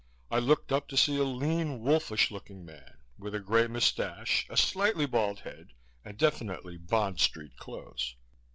I looked up to see a lean, wolfish looking man, with a gray moustache, a slightly bald head and definitely Bond Street clothes.